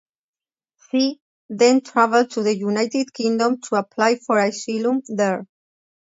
She then travelled to the United Kingdom to apply for asylum there.